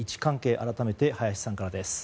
改めて林さんからです。